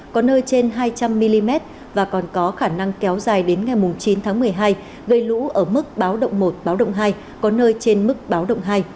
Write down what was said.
có nơi trên hai trăm linh mm và còn có khả năng kéo dài đến ngày chín tháng một mươi hai gây lũ ở mức báo động một báo động hai có nơi trên mức báo động hai